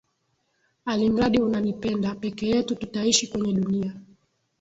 Alimradi unanipenda, peke yetu tutaishi kwenye dunia.